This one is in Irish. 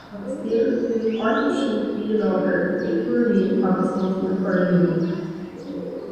Agus d'iarr ansin orthu siúd a bhí i láthair a gcuid tuairimí agus moltaí a chur in iúl.